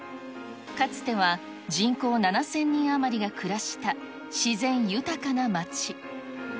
かつては人口７０００人余りが暮らした自然豊かな町。